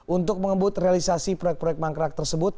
untuk mengembut realisasi proyek proyek mangkrak tersebut